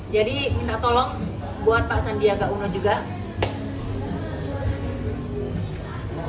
jadi minta tolong buat pak sandiaga uno juga